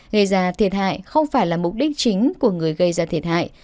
gây ra thiệt hại không phải là mục đích chính của người gây ra thiệt hại